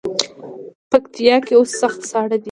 پکتیا کې اوس سخت ساړه دی.